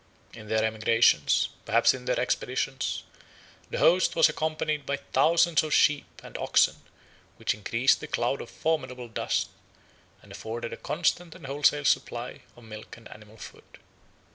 In their emigrations, perhaps in their expeditions, the host was accompanied by thousands of sheep and oxen which increased the cloud of formidable dust, and afforded a constant and wholesale supply of milk and animal food.